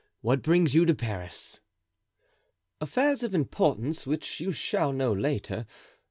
What brings you to Paris?" "Affairs of importance which you shall know later.